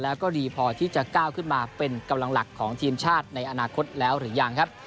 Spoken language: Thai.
แล้วก็ดีพอที่จะก้าวขึ้นมาเป็นกำลังหลักของทีมชาติในอนาคตแล้วหรือยังครับ